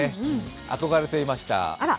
憧れていました。